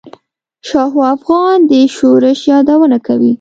شاهو افغان د شورش یادونه کوي.